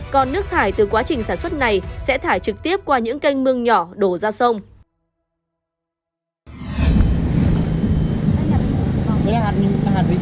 còn nước thải từ quá trình sản xuất này sẽ thải trực tiếp qua những kênh mương nhỏ đổ ra sông